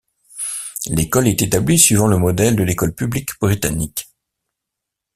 L'école est établie suivant le modèle de l'école publique britannique.